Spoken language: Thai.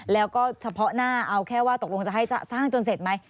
แล้วก็เฉพาะหน้าเอาแค่ว่าตกลงจะให้จะสร้างจนเสร็จไหม